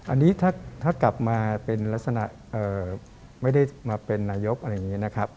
อันนี้ถ้ากลับมาเป็นลักษณะไม่ได้มาเป็นนายกอะไรอย่างนี้นะครับ